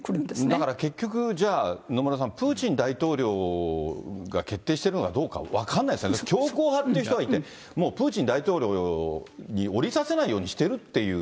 だから結局、じゃあ野村さん、プーチン大統領が決定しているのかどうか分かんないですよね、強硬派って人がいて、もうプーチン大統領に降りさせないようにしてるっていう。